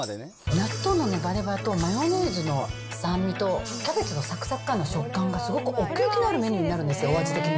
納豆のねばねばとマヨネーズの酸味と、キャベツのさくさく感の食感が、すごく奥行きのあるメニューになるんですよ、お味的に。